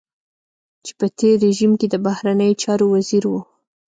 چې په تېر رژيم کې د بهرنيو چارو وزير و.